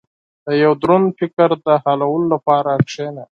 • د یو دروند فکر د حلولو لپاره کښېنه.